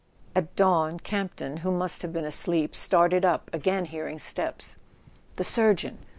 At dawn Campton, who must have been asleep, started up, again hearing steps. The surgeon?